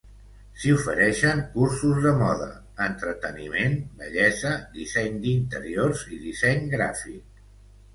S'hi ofereixen cursos de moda, entreteniment, bellesa, disseny d'interiors i disseny gràfic.